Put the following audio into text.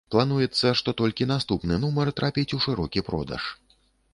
Плануецца, што толькі наступны нумар трапіць у шырокі продаж.